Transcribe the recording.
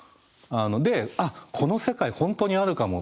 で「あっこの世界本当にあるかも」